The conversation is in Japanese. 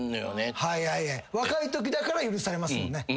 若いときだから許されますもんね。